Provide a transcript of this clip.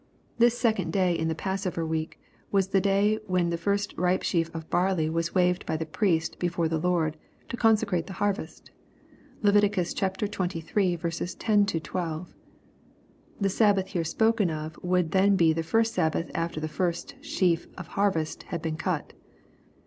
This second day in the passover week was the day when the first ripe sheaf of barley was waved by the priest before the Lord, to consecrate the harvest (Levit xxiii. 10— 12.) The Sab bath here spoken of would then be the first Sabbath ailer the first sheaf of harvest had been cut.